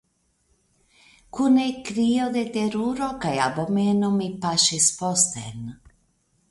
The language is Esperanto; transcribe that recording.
Kun ekkrio de teruro kaj abomeno mi paŝis posten.